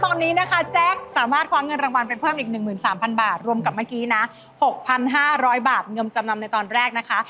ตอนนี้นะคะแจ๊คสามารถคว้าเงินรางวัลไปเพิ่มอีก๑๓๐๐บาทรวมกับเมื่อกี้นะ๖๕๐๐บาทเงินจำนำในตอนแรกนะคะ